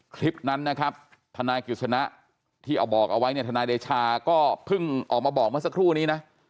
คลิปนั้นนะครับทนายกฤษณะที่เอาบอกเอาไว้เนี่ยทนายเดชาก็เพิ่งออกมาบอกเมื่อสักครู่นี้นะ